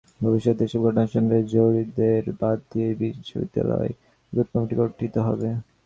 ভবিষ্যতে এসব ঘটনার সঙ্গে জড়িতদের বাদ দিয়েই বিশ্ববিদ্যালয়ে নতুন কমিটি গঠিত হবে।